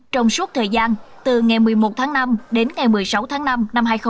trong suốt thời gian từ ngày một mươi một tháng năm đến ngày một mươi sáu tháng năm năm hai nghìn hai mươi